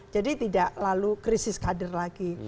jadi tidak lalu krisis kader lagi